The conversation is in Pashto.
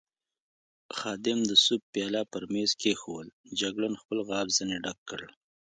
خادم د سوپ پیاله پر مېز کېښوول، جګړن خپل غاب ځنې ډک کړ.